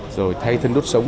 rồi thay thân đốt sống